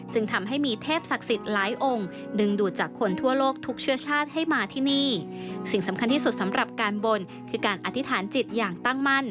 จึงทำให้มีเทพศักดิ์สักษิตรหลายองค์